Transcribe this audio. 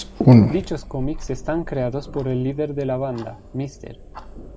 Dichos cómics están creados por el líder de la banda, Mr.